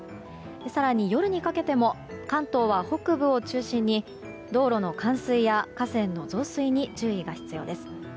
更に、夜にかけても関東は北部を中心に道路の冠水や河川の増水に注意が必要です。